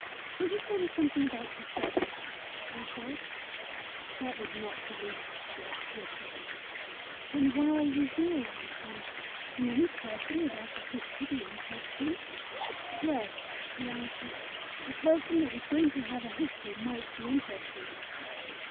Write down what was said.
"Will you tell me something about yourself, then?" I said. "That would not be interesting!" he objected. "Then why are you here?" I returned. "Can any person without a history be interesting?" "Yes," he answered: "a person that was going to have a history might be interesting."